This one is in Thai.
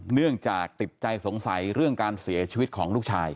เนื่องจากติดใจสงสัยเรื่องการเสียชีวิตของลูกชาย